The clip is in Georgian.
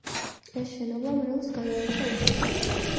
ეს შენობა მრევლს გადაეცა უფასოდ.